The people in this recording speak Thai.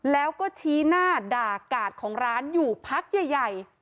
แล้วก็ชี้หน้าด่ากาดของร้านอยู่พักใหญ่